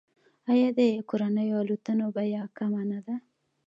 آیا د کورنیو الوتنو بیه کمه نه ده؟